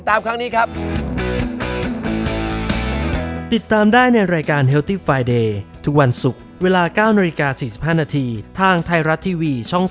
ต้องติดตามครั้งนี้ครับ